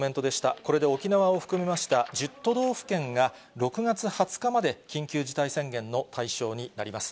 これで沖縄を含めました１０都道府県が６月２０日まで緊急事態宣言の対象になります。